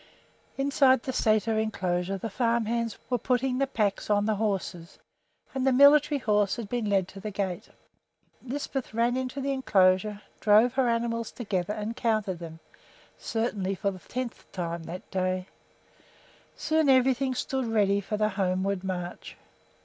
Inside the sæter inclosure the farm hands were putting the packs on the horses, and the military horse had been led to the gate. Lisbeth ran into the inclosure, drove her animals together and counted them, certainly for the tenth time that day. Soon everything stood ready for the homeward march.